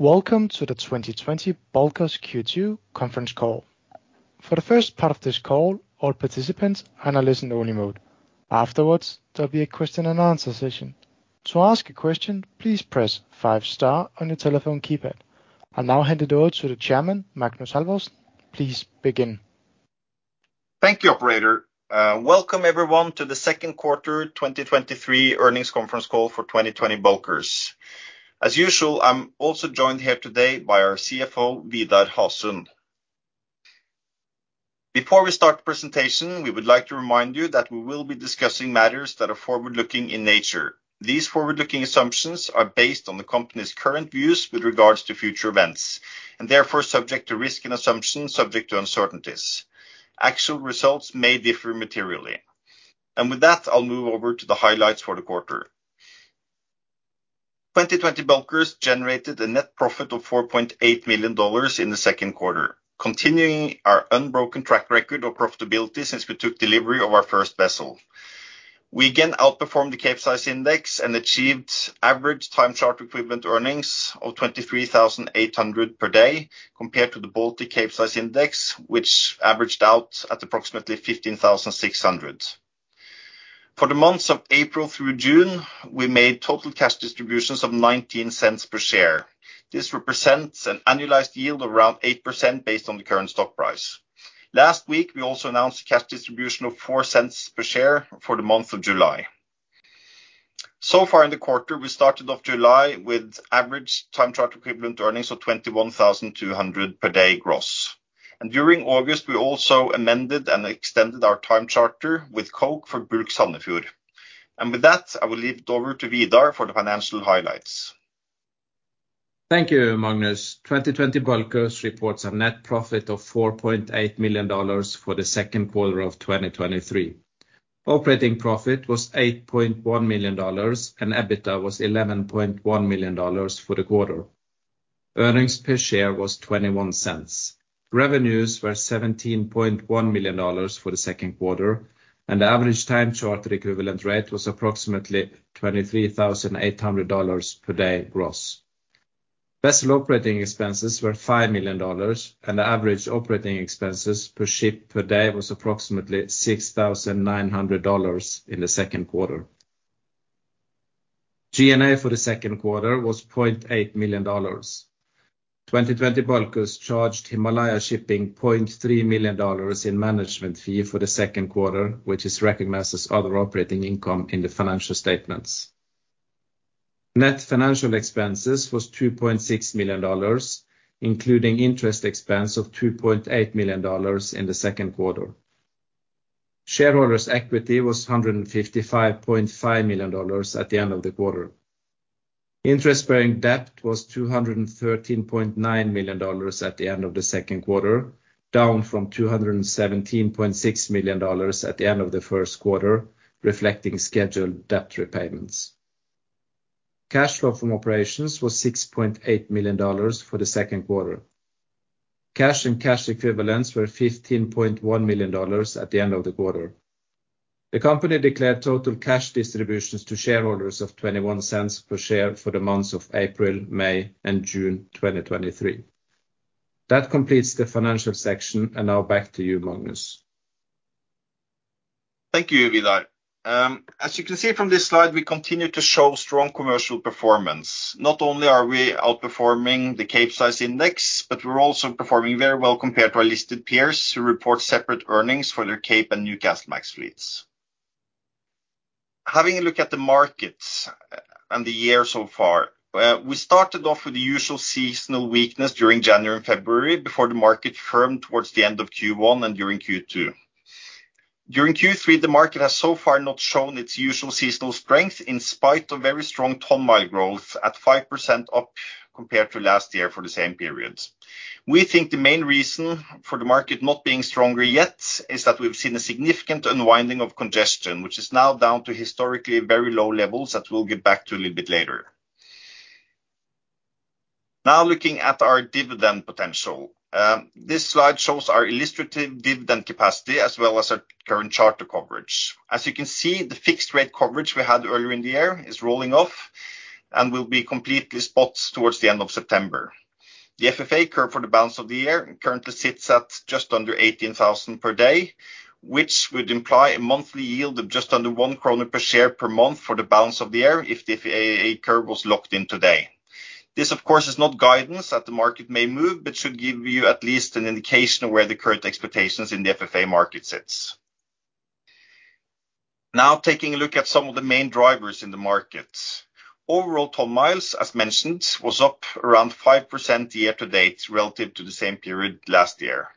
Welcome to the 2020 Bulkers Q2 conference call. For the first part of this call, all participants are in a listen-only mode. Afterwards, there'll be a question and answer session. To ask a question, please press five star on your telephone keypad. I'll now hand it over to the Chairman, Magnus Halvorsen. Please begin. Thank you, operator. Welcome everyone, to the second quarter 2023 earnings conference call for 2020 Bulkers. As usual, I'm also joined here today by our CFO, Vidar Hasund. Before we start the presentation, we would like to remind you that we will be discussing matters that are forward-looking in nature. These forward-looking assumptions are based on the company's current views with regards to future events, and therefore subject to risk and assumptions subject to uncertainties. Actual results may differ materially. With that, I'll move over to the highlights for the quarter. 2020 Bulkers generated a net profit of $4.8 million in the second quarter, continuing our unbroken track record of profitability since we took delivery of our first vessel. We again outperformed the Capesize Index and achieved average time charter equivalent earnings of $23,800 per day, compared to the Baltic Capesize Index, which averaged out at approximately $15,600. For the months of April through June, we made total cash distributions of $0.19 per share. This represents an annualized yield of around 8% based on the current stock price. Last week, we also announced a cash distribution of $0.04 per share for the month of July. Far in the quarter, we started off July with average time charter equivalent earnings of $21,200 per day gross. During August, we also amended and extended our time charter with Koch for Bulk Sandefjord. With that, I will leave it over to Vidar for the financial highlights. Thank you, Magnus. 2020 Bulkers reports a net profit of $4.8 million for the second quarter of 2023. Operating profit was $8.1 million, and EBITDA was $11.1 million for the quarter. Earnings per share was $0.21. Revenues were $17.1 million for the second quarter, and the average time charter equivalent rate was approximately $23,800 per day gross. Vessel operating expenses were $5 million, and the average operating expenses per ship per day was approximately $6,900 in the second quarter. G&A for the second quarter was $0.8 million. 2020 Bulkers charged Himalaya Shipping $0.3 million in management fee for the second quarter, which is recognized as other operating income in the financial statements. Net financial expenses was $2.6 million, including interest expense of $2.8 million in the second quarter. Shareholders' equity was $155.5 million at the end of the quarter. Interest-bearing debt was $213.9 million at the end of the second quarter, down from $217.6 million at the end of the first quarter, reflecting scheduled debt repayments. Cash flow from operations was $6.8 million for the second quarter. Cash and cash equivalents were $15.1 million at the end of the quarter. The company declared total cash distributions to shareholders of $0.21 per share for the months of April, May and June 2023. That completes the financial section. Now back to you, Magnus. Thank you, Vidar. As you can see from this slide, we continue to show strong commercial performance. Not only are we outperforming the Capesize Index, but we're also performing very well compared to our listed peers, who report separate earnings for their Cape and Newcastlemax fleets. Having a look at the markets and the year so far, we started off with the usual seasonal weakness during January and February, before the market firmed towards the end of Q1 and during Q2. During Q3, the market has so far not shown its usual seasonal strength, in spite of very strong ton mile growth at 5% up compared to last year for the same period. We think the main reason for the market not being stronger yet is that we've seen a significant unwinding of congestion, which is now down to historically very low levels that we'll get back to a little bit later. Now, looking at our dividend potential. This slide shows our illustrative dividend capacity as well as our current charter coverage. As you can see, the fixed rate coverage we had earlier in the year is rolling off and will be completely spots towards the end of September. The FFA curve for the balance of the year currently sits at just under 18,000 per day, which would imply a monthly yield of just under 1 kroner per share per month for the balance of the year if the FFA curve was locked in today. This, of course, is not guidance that the market may move, but should give you at least an indication of where the current expectations in the FFA market sits. Now, taking a look at some of the main drivers in the market. Overall ton miles, as mentioned, was up around 5% year-to-date relative to the same period last year.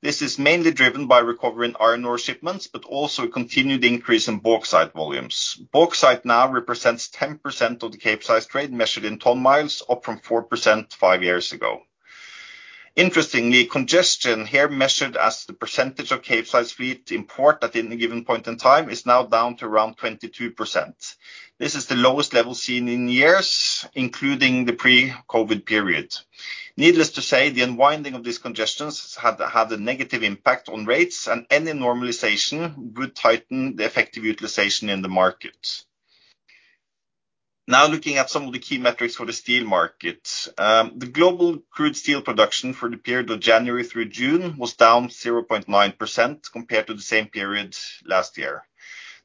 This is mainly driven by recovering iron ore shipments, but also a continued increase in bauxite volumes. Bauxite now represents 10% of the Capesize trade, measured in ton miles, up from 4% five years ago. Interestingly, congestion, here measured as the percentage of Capesize fleet import at any given point in time, is now down to around 22%. This is the lowest level seen in years, including the pre-COVID period. Needless to say, the unwinding of these congestions had, had a negative impact on rates, and any normalization would tighten the effective utilization in the market. Now, looking at some of the key metrics for the steel market. The global crude steel production for the period of January through June was down 0.9% compared to the same period last year.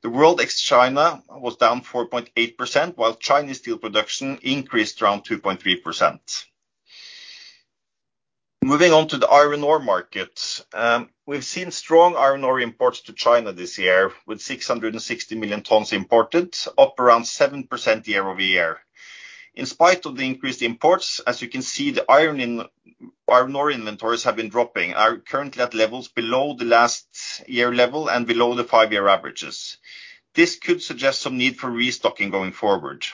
The world ex-China was down 4.8%, while Chinese steel production increased around 2.3%. Moving on to the iron ore market. We've seen strong iron ore imports to China this year, with 660 million tons imported, up around 7% year-over-year. In spite of the increased imports, as you can see, the iron ore inventories have been dropping, are currently at levels below the last year level and below the five-year averages. This could suggest some need for restocking going forward.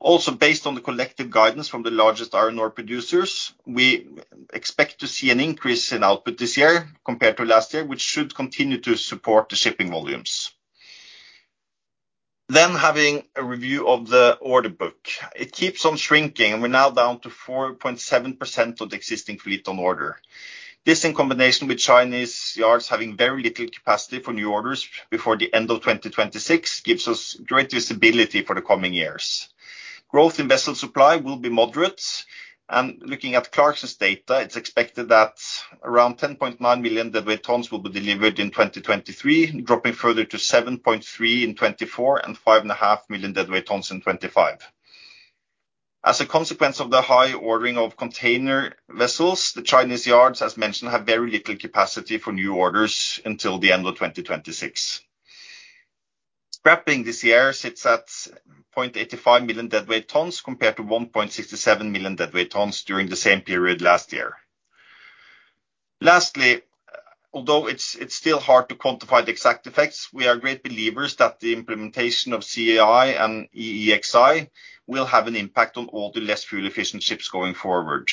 Also, based on the collective guidance from the largest iron ore producers, we expect to see an increase in output this year compared to last year, which should continue to support the shipping volumes. Having a review of the order book. It keeps on shrinking, and we're now down to 4.7% of the existing fleet on order. This, in combination with Chinese yards having very little capacity for new orders before the end of 2026, gives us great visibility for the coming years. Growth in vessel supply will be moderate, and looking at Clarksons data, it's expected that around 10.9 million DWT will be delivered in 2023, dropping further to 7.3 in 2024, and 5.5 million DWT in 2025. As a consequence of the high ordering of container vessels, the Chinese yards, as mentioned, have very little capacity for new orders until the end of 2026. Scrapping this year sits at 0.85 million DWT, compared to 1.67 million DWT during the same period last year. Lastly, although it's still hard to quantify the exact effects, we are great believers that the implementation of CII and EEXI will have an impact on all the less fuel efficient ships going forward.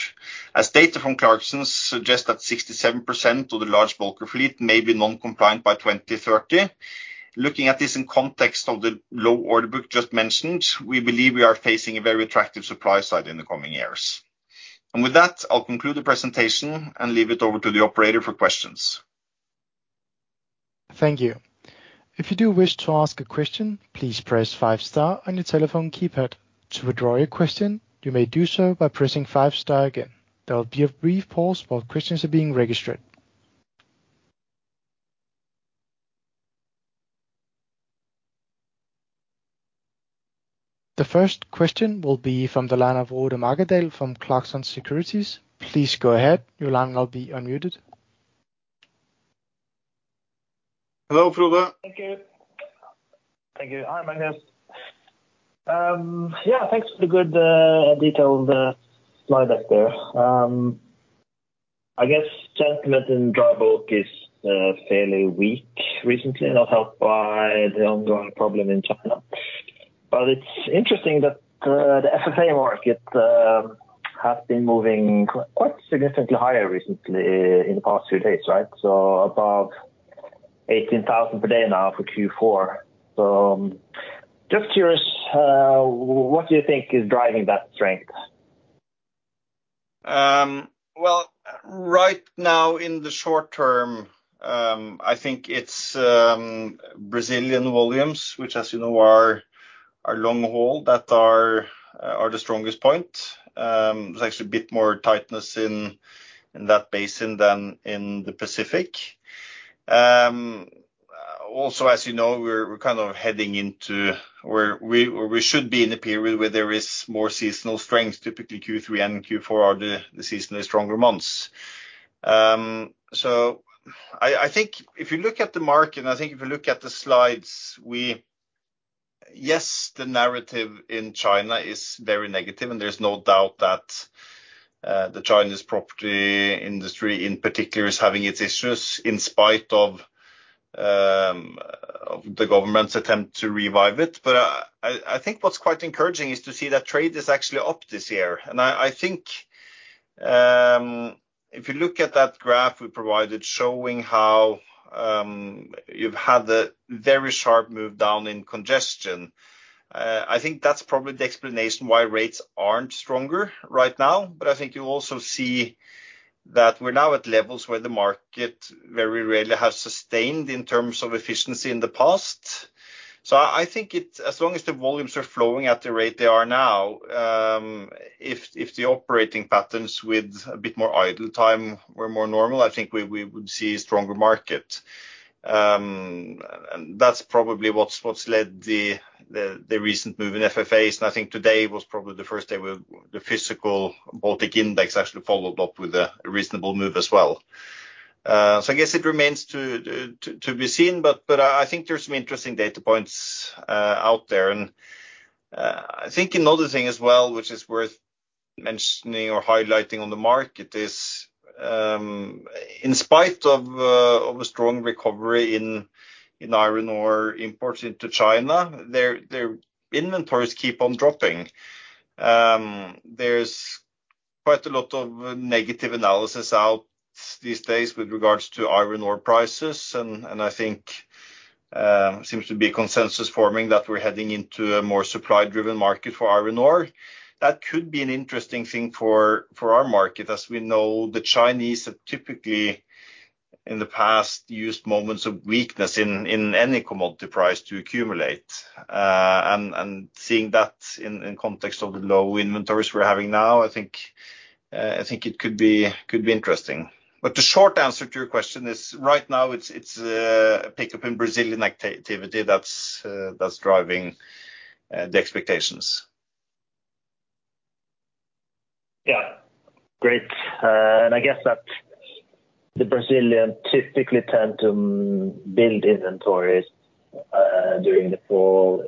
As data from Clarksons suggest that 67% of the large bulker fleet may be non-compliant by 2030. Looking at this in context of the low order book just mentioned, we believe we are facing a very attractive supply side in the coming years. With that, I'll conclude the presentation and leave it over to the operator for questions. Thank you. If you do wish to ask a question, please press five star on your telephone keypad. To withdraw your question, you may do so by pressing five star again. There will be a brief pause while questions are being registered. The first question will be from the line of Frode Mørkedal from Clarksons Securities. Please go ahead. Your line will be unmuted. Hello, Frode. Thank you. Thank you. Hi, Magnus. yeah, thanks for the good, detailed, slide deck there. I guess sentiment in dry bulk is fairly weak recently, not helped by the ongoing problem in China. It's interesting that the FFA market has been moving quite significantly higher recently in the past few days, right? Above $18,000 per day now for Q4. Just curious, what do you think is driving that strength? Well, right now, in the short term, I think it's Brazilian volumes, which, as you know, are, are long haul, that are, are the strongest point. There's actually a bit more tightness in, in that basin than in the Pacific. Also, as you know, we're, we're kind of heading into where we should be in a period where there is more seasonal strength. Typically, Q3 and Q4 are the, the seasonally stronger months. I, I think if you look at the market, and I think if you look at the slides, Yes, the narrative in China is very negative, and there's no doubt that the Chinese property industry, in particular, is having its issues in spite of the government's attempt to revive it. I, I think what's quite encouraging is to see that trade is actually up this year. I, I think, if you look at that graph we provided, showing how, you've had the very sharp move down in congestion, I think that's probably the explanation why rates aren't stronger right now. I think you also see that we're now at levels where the market very rarely has sustained in terms of efficiency in the past. I think as long as the volumes are flowing at the rate they are now, if, if the operating patterns with a bit more idle time were more normal, I think we, we would see a stronger market. That's probably what's, what's led the, the, the recent move in FFAs. I think today was probably the first day where the physical Baltic Index actually followed up with a reasonable move as well. I guess it remains to, to, to be seen, but, but I think there's some interesting data points out there. I think another thing as well, which is worth mentioning or highlighting on the market, is, in spite of a strong recovery in iron ore imports into China, their inventories keep on dropping. There's quite a lot of negative analysis out these days with regards to iron ore prices, and seems to be a consensus forming that we're heading into a more supply-driven market for iron ore. That could be an interesting thing for, for our market. As we know, the Chinese have typically, in the past, used moments of weakness in, in any commodity price to accumulate. Seeing that in, in context of the low inventories we're having now, I think, I think it could be, could be interesting. The short answer to your question is, right now, it's, it's, a pickup in Brazilian activity that's, that's driving, the expectations. Yeah. Great. I guess that the Brazilian typically tend to build inventories, during the fall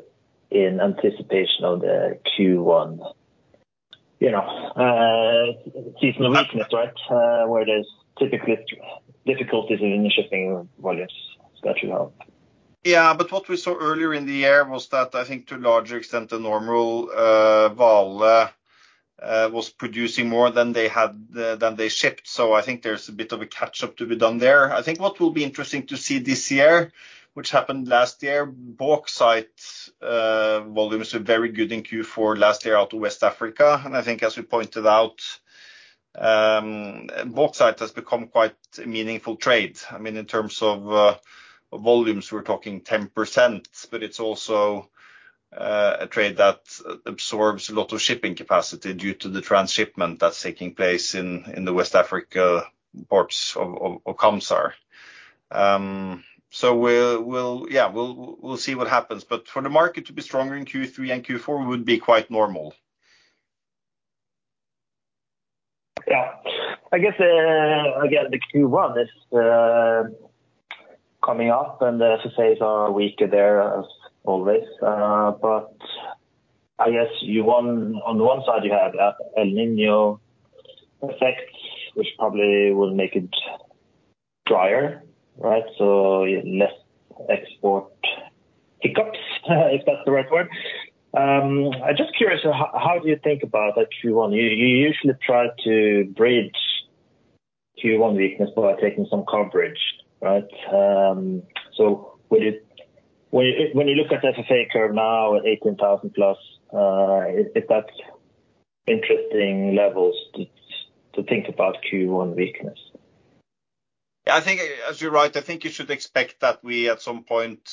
in anticipation of the Q1, you know, season of weakness, right? Where there's typically difficulties in the shipping volumes that you have. Yeah, what we saw earlier in the year was that, I think to a larger extent than normal, Vale, was producing more than they had, than they shipped. I think there's a bit of a catch-up to be done there. I think what will be interesting to see this year, which happened last year, bauxite, volumes were very good in Q4 last year out of West Africa. I think as we pointed out, bauxite has become quite a meaningful trade. I mean, in terms of, volumes, we're talking 10%, but it's also, a trade that absorbs a lot of shipping capacity due to the transshipment that's taking place in the West Africa ports of Kamsar. Yeah, we'll, we'll see what happens, but for the market to be stronger in Q3 and Q4 would be quite normal. Yeah. I guess again, the Q1 is coming up, and the FFAs are weaker there as always. I guess you on, on the one side, you have a El Niño effect, which probably will make it drier, right? Less export hiccups, if that's the right word. I'm just curious, how, how do you think about that Q1? You, you usually try to bridge Q1 weakness by taking some coverage, right? When you, when you, when you look at FFA curve now at $18,000+, is, is that interesting levels to, to think about Q1 weakness? Yeah, I think, as you're right, I think you should expect that we, at some point,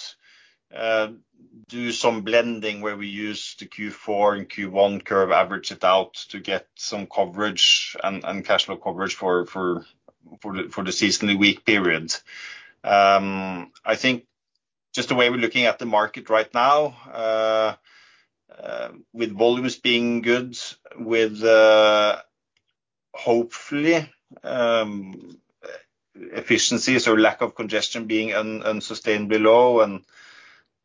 do some blending where we use the Q4 and Q1 curve, average it out to get some coverage and, and cash flow coverage for, for, for the, for the seasonally weak period. I think just the way we're looking at the market right now, with volumes being good, with, hopefully, efficiencies or lack of congestion being unsustainably low and,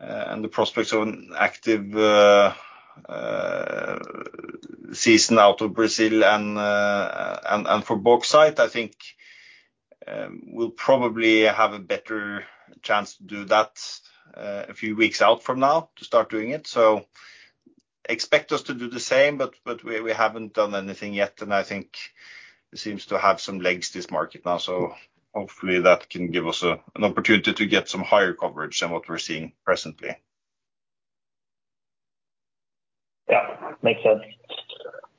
and the prospects of an active season out of Brazil and, and, and for bauxite, I think, we'll probably have a better chance to do that a few weeks out from now to start doing it. Expect us to do the same, but, but we, we haven't done anything yet, and I think it seems to have some legs, this market now. Hopefully that can give us an opportunity to get some higher coverage than what we're seeing presently. Yeah, makes sense.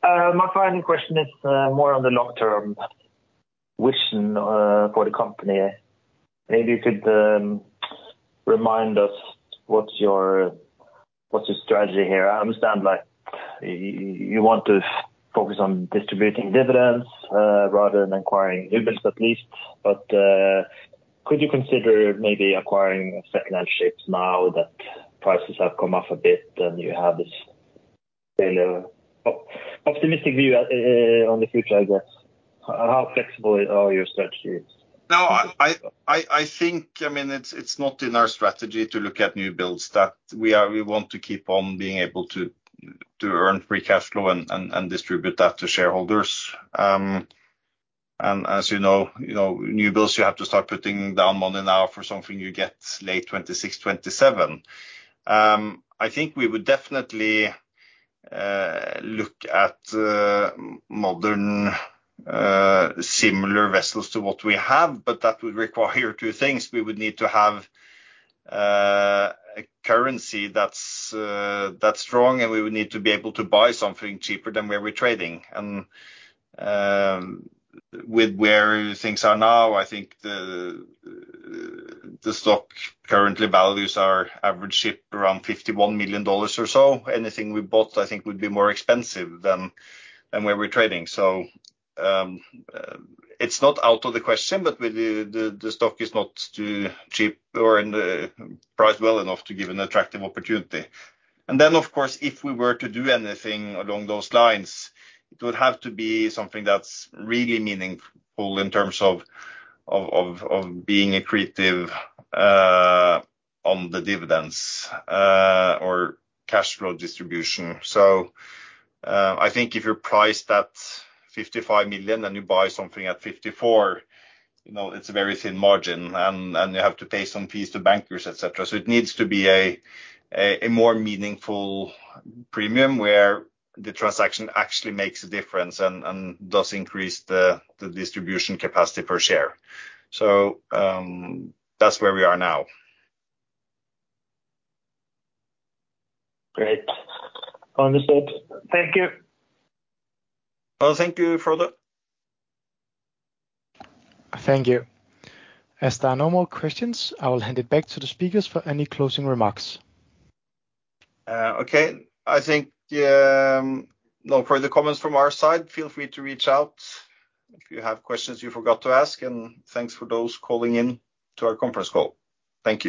My final question is more on the long-term vision for the company. Maybe you could remind us what's your, what's your strategy here? I understand, you want to focus on distributing dividends, rather than acquiring newbuilds, at least. Could you consider maybe acquiring second-hand ships now that prices have come up a bit, and you have this fairly optimistic view, on the future, I guess? How flexible are your strategies? No, it's not in our strategy to look at newbuilds, we want to keep on being able to earn free cash flow and, and, and distribute that to shareholders. As you know, you know, newbuilds, you have to start putting down money now for something you get late 2026, 2027. I think we would definitely look at modern, similar vessels to what we have, but that would require two things. We would need to have a currency that's that's strong, and we would need to be able to buy something cheaper than where we're trading. With where things are now, I think the, the stock currently values our average ship around $51 million or so. Anything we bought, I think, would be more expensive than, than where we're trading. It's not out of the question, but with the, the, the stock is not too cheap or in the priced well enough to give an attractive opportunity. Of course, if we were to do anything along those lines, it would have to be something that's really meaningful in terms of, of, of, of being accretive, on the dividends, or cash flow distribution. I think if you're priced at $55 million, and you buy something at $54 million, you know, it's a very thin margin, and, and you have to pay some fees to bankers, et cetera. It needs to be a, a, a more meaningful premium, where the transaction actually makes a difference and, and does increase the, the distribution capacity per share. That's where we are now. Great. Understood. Thank you. Well, thank you. Thank you. As there are no more questions, I will hand it back to the speakers for any closing remarks. Okay. I think no further comments from our side. Feel free to reach out if you have questions you forgot to ask, and thanks for those calling in to our conference call. Thank you.